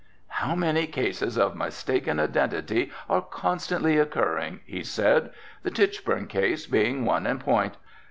"How many cases of mistaken identity are constantly occurring," he said, "the Tichborne case being one in point.